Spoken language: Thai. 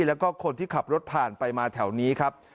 แล้วก็คนที่ขับรถผ่านไปมาแถวนี้ครับ